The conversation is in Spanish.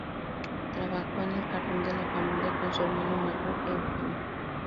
Trabajó en el jardín de la familia con su hermano mayor Eugene.